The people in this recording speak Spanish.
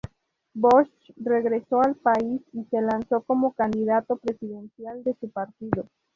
Bosch regresó al país y se lanzó como candidato presidencial de su partido.